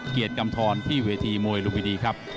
เกียรติกำทรที่เวทีมวยลุมพินีครับ